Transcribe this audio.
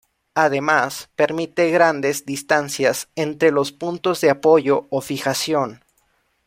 Además, permite grandes distancias entre los puntos de apoyo o fijación.